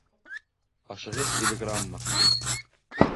Ашығыс телеграмма